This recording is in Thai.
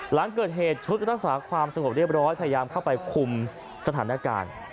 หลังเกิดเหตุชุดรักษาความสงบเรียบร้อยพยายามเข้าไปคุมสถานการณ์